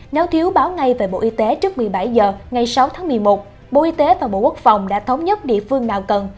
nếu thiếu báo ngay về bộ y tế trước một mươi bảy h ngày sáu tháng một mươi một bộ y tế và bộ quốc phòng đã thống nhất địa phương nào cần